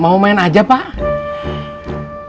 mau main aja pak